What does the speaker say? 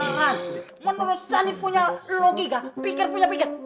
jangan menurut sani punya logika pikir punya pikir